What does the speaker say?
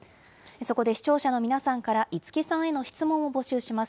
そこで視聴者の皆さんから、五木さんへの質問を募集します。